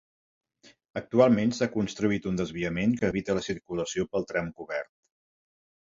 Actualment s'ha construït un desviament que evita la circulació pel tram cobert.